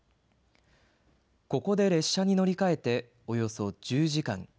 ここで列車に乗り換えておよそ１０時間。